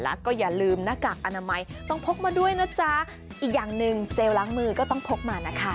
แล้วก็อย่าลืมหน้ากากอนามัยต้องพกมาด้วยนะจ๊ะอีกอย่างหนึ่งเจลล้างมือก็ต้องพกมานะคะ